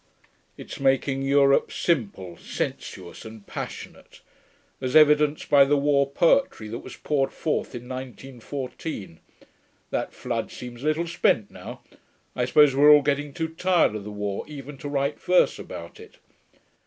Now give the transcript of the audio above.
'It's making Europe simple, sensuous and passionate. As evidenced by the war poetry that was poured forth in 1914. (That flood seems a little spent now; I suppose we're all getting too tired of the war even to write verse about it.)